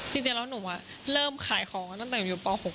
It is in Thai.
จริงแล้วหนุ่มเริ่มขายของตั้งแต่อยู่ป๖